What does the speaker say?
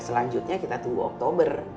selanjutnya kita tunggu oktober